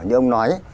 như ông nói